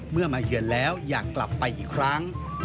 เมื่อมาเยือนแล้วอยากกลับไปอีกครั้ง